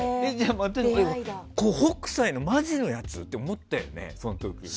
北斎のマジのやつ？って思ったよね？